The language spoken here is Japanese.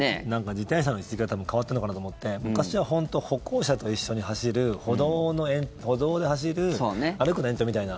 自転車の知識が変わったのかなと思って昔は本当、歩行者と一緒に走る歩道で走る歩くの延長みたいな。